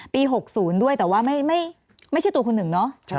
๖๐ด้วยแต่ว่าไม่ใช่ตัวคุณหนึ่งเนาะ